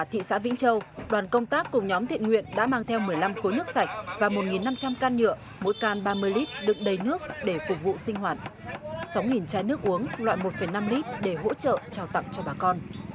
thị xã vĩnh châu đoàn công tác cùng nhóm thiện nguyện đã mang theo một mươi năm khối nước sạch và một năm trăm linh can nhựa mỗi can ba mươi lít đựng đầy nước để phục vụ sinh hoạt sáu chai nước uống loại một năm lít để hỗ trợ trao tặng cho bà con